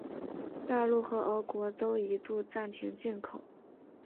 大陆和俄国都一度暂停进口。